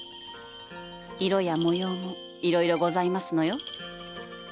色や模様もいろいろございますのよ。